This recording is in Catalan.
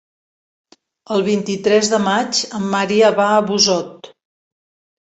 El vint-i-tres de maig en Maria va a Busot.